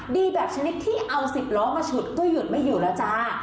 ดีแบบชนิดที่เอา๑๐ล้อมาฉุดก็หยุดไม่อยู่แล้วจ้า